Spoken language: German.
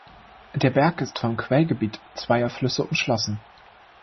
Der Berg ist vom Quellgebiet zweier Flüsse umschlossen.